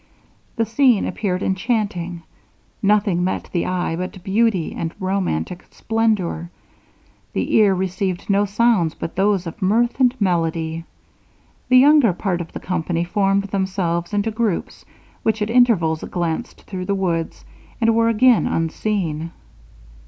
The scene appeared enchanting. Nothing met the eye but beauty and romantic splendour; the ear received no sounds but those of mirth and melody. The younger part of the company formed themselves into groups, which at intervals glanced through the woods, and were again unseen.